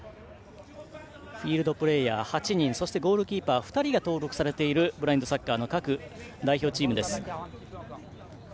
フィールドプレーヤー８人そしてゴールキーパー１人が登録されているブラインドサッカーの各代表チーム。